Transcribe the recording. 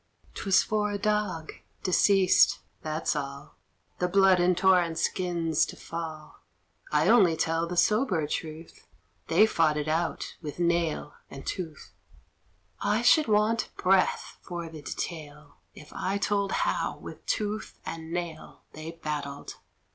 'Twas for a dog deceased that's all. The blood in torrents 'gins to fall; I only tell the sober truth, They fought it out with nail and tooth. [Illustration: THE VULTURES AND THE PIGEONS.] I should want breath for the detail, If I told how with tooth and nail They battled.